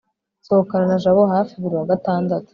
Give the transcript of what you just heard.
nsohokana na jabo hafi buri wa gatandatu